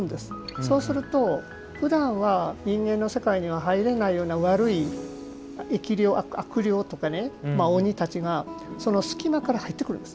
そうすると、ふだんは人間の世界に入れないような悪い悪霊とか鬼たちが隙間から入ってくるんです。